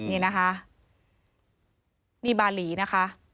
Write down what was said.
นี่นะคะนี่บาหลีนะคะ